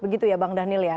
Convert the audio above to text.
begitu ya bang daniel ya